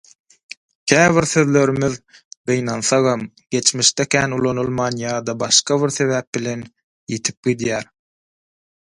Käbir sözlerimiz, gynansagam, geçmişde kän ulanylman ýa-da başga bir sebäp bilen, ýitip gidýär